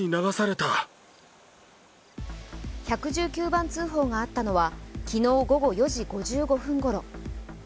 １１９番通報があったのは昨日午後４時５５分ごろ。